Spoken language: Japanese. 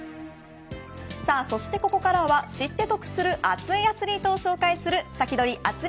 そしてここからは知って得する熱いアスリートを紹介するサキドリ！